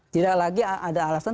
tidak lagi ada alasan